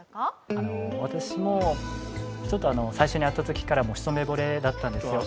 あの私もちょっと最初に会った時から一目惚れだったんですよ。